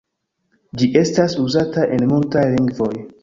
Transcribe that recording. Ĝi estas uzata en multaj lingvoj.